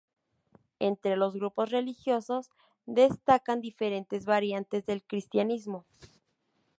Entre los grupos religiosos destacan diferentes variantes del cristianismo.